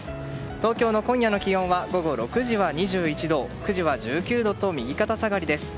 東京の今夜の気温は午後６時は２１度９時は１９度と右肩下がりです。